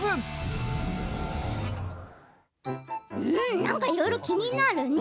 なんかいろいろ気になるね。